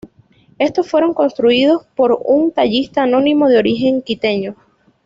Estos fueron construidos por un tallista anónimo de origen quiteño.